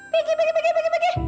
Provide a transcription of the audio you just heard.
pergi pergi pergi pergi pergi